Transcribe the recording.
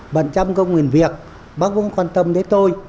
bận trăm công nguyên việc bác cũng quan tâm đến tôi